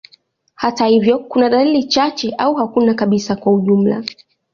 Hata hivyo, kuna dalili chache au hakuna kabisa kwa ujumla.